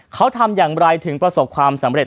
เขาทำอย่างไรถึงประสบความสำเร็จ